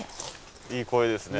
いい声ですね